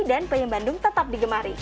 dan puyem bandung tetap digemari